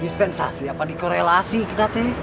dispensasi apa dikorelasi kita